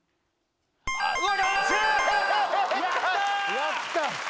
やった！